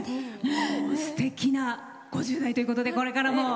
すてきな５０代ということでこれからも。